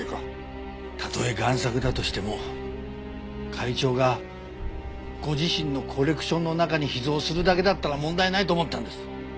たとえ贋作だとしても会長がご自身のコレクションの中に秘蔵するだけだったら問題ないと思ったんです。